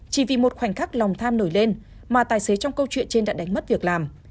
chỉ vì một khoảnh khắc lòng tham nổi lên mà tài xế trong câu chuyện trên đã đánh mất việc làm